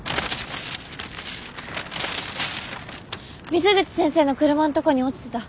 水口先生の車のとこに落ちてた。